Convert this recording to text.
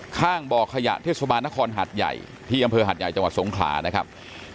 ข้างบ่อขยะเทศบาลนครหัดใหญ่ที่อำเภอหัดใหญ่จังหวัดสงขลานะครับ